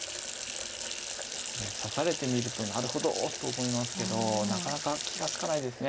いやこれ指されてみるとなるほどっと思いますけどなかなか気が付かないですね。